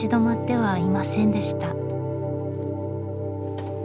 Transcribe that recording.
はい。